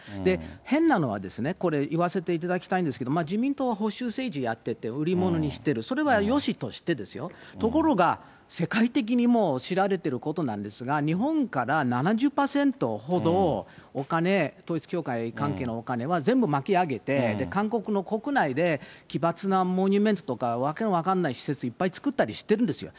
変なのは、これ、言わせていただきたいんですけど、自民党は保守政治やってて、売り物にしている、それはよしとして、ところが世界的にもう知られてることなんですが、日本から７０％ほどお金、統一教会関係のお金は全部巻き上げて、韓国の国内で奇抜なモニュメントとか、訳の分かんない施設をいっぱい作ったりしてるんですよ。